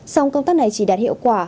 sau công tác này chỉ đạt hiệu quả